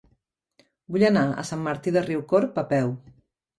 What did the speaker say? Vull anar a Sant Martí de Riucorb a peu.